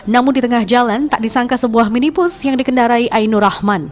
namun di tengah jalan tak disangka sebuah minibus yang dikendarai ainur rahman